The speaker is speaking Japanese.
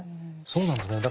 そうなんですね。